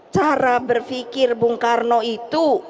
cara berpikir bung karno itu